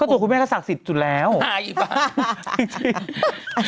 ก็ตัวคุณแม่ก็ศักดิ์สิทธิ์สุดแล้วหายป่ะ